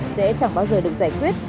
sẽ chẳng bao giờ được giải quyết